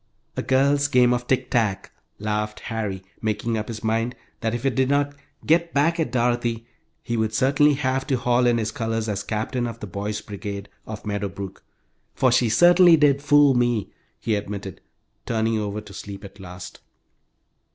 "A girls' game of tick tack!" laughed Harry, making up his mind that if he did not "get back at Dorothy," he would certainly have to haul in his colors as captain of the Boys' Brigade of Meadow Brook; "for she certainly did fool me," he admitted, turning over to sleep at last.